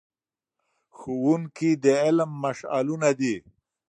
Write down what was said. ښوونکي د علم مشعلونه دي.